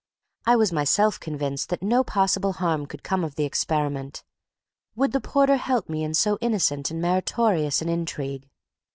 I was myself convinced that no possible harm could come of the experiment. Would the porter help me in so innocent and meritorious an intrigue?